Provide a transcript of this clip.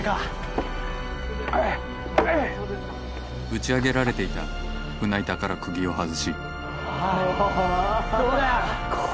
「打ち上げられていた船板から釘を外し」